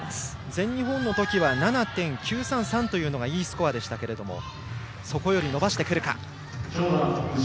全日本の時は７．９３３というのがＥスコアでしたがそこより伸ばしてくるか。